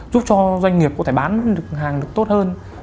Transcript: giúp cho doanh nghiệp có thể bán hàng được tốt hơn